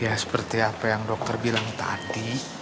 ya seperti apa yang dokter bilang tadi